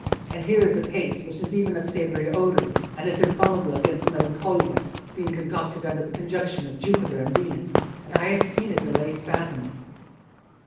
And here is a paste which is even of savoury odour, and is infallible against melancholia, being concocted under the conjunction of Jupiter and Venus; and I have seen it allay spasms."